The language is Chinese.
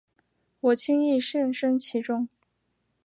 我轻易陷身其中